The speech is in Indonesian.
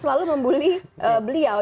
selalu membuli beliau